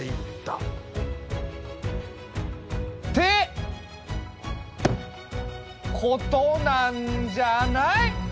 ってことなんじゃない？